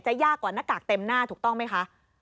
ยากกว่าหน้ากากเต็มหน้าถูกต้องไหมคะ